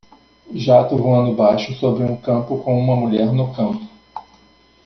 Jato voando baixo sobre um campo com uma mulher no campo.